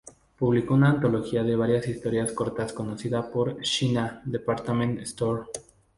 Publicó una antología de varias historias cortas, conocida por "Shiina Department Store".